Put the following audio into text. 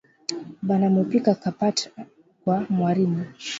Bana mupika kapata kwa mwarimu